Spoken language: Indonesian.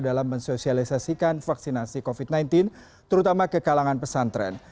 dalam mensosialisasikan vaksinasi covid sembilan belas terutama ke kalangan pesantren